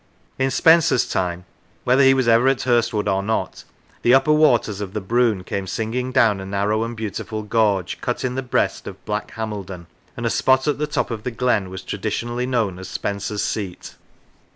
In Spenser's time, whether he was ever at Hurstwood or not, the upper waters of the Brun came singing down a narrow and beautiful gorge, cut in the breast of Black Hameldon, and a spot at the top of the glen was traditionally known as " Spenser's seat."